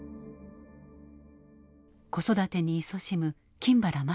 子育てにいそしむ金原まさ子さん。